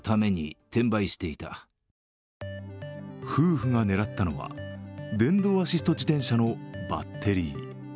夫婦が狙ったのは、電動アシスト自転車のバッテリー。